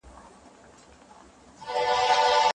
اسلام د عقل کارولو ته بلنه ورکوي.